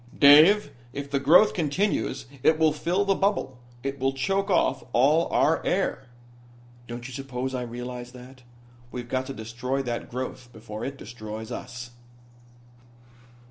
"Dave, if the growth continues it will fill the bubble. It will choke off all our air." "Don't you suppose I realize that? We've got to destroy that growth before it destroys us."